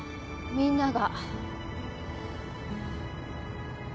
みんなが。